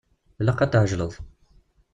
Ilaq ad tɛejleḍ.